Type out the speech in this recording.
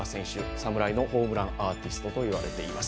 侍のホームランアーティストといわれています。